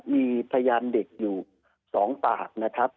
มีพยานเด็กอยู่๒ปากนะครับ